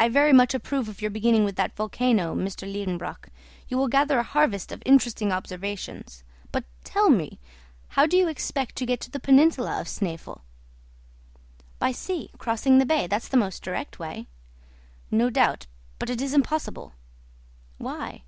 "I very much approve of your beginning with that volcano, M. Liedenbrock. You will gather a harvest of interesting observations. But, tell me, how do you expect to get to the peninsula of Snæfell?" "By sea, crossing the bay. That's the most direct way." "No doubt; but it is impossible." "Why?"